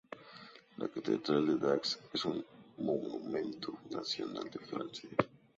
La catedral de Dax es un monumento nacional de Francia.